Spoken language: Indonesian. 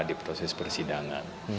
di proses persidangan